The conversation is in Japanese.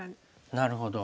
なるほど。